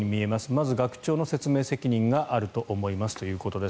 まず学長の説明責任があると思いますということです。